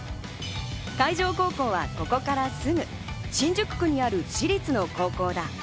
海城高校はここからすぐ新宿区にある私立の高校だ。